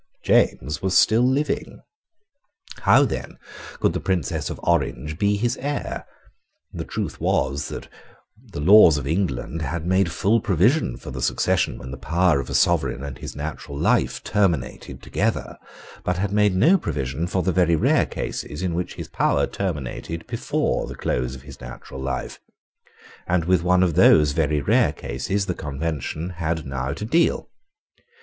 James was still living. How then could the Princess of Orange be his heir? The truth was that the laws of England had made full provision for the succession when the power of a sovereign and his natural life terminated together, but had made no provision for the very rare cases in which his power terminated before the close of his natural life; and with one of those very rare cases the Convention had now to deal.